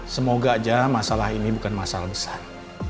semoga aja masalah ini bukan masalah besar